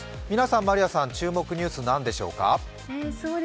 みなさん、まりあさん、注目ニュースは何でしょうか。